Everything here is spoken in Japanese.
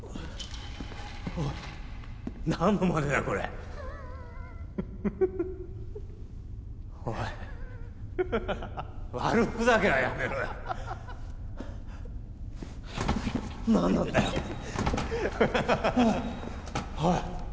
おい何のまねだよこれおい悪ふざけはやめろよ何なんだよおい